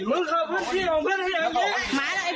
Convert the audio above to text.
หมาแล้วไอ้ผล